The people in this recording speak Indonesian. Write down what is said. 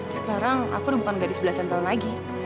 sekarang aku bukan gadis belasan tahun lagi